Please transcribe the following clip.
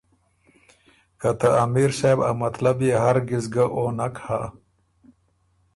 که ته امیر صاحب ا مطلب يې هر ګز ګه او نک هۀ